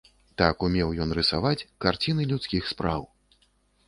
Так умеў ён рысаваць карціны людскіх спраў.